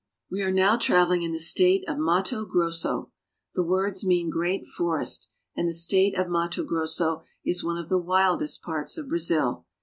We are now traveling in the state of Matto Grosso. The words mean " Great Forest," and the state of Matto Grosso is one of the wildest parts of Brazil.